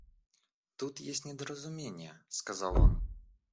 Тут есть недоразумение, — сказал он.